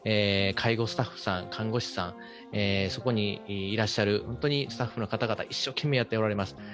介護スタッフ、看護師さん、そこにいらっしゃるスタッフの方々、一生懸命やっておられます。